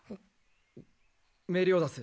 メリオダス。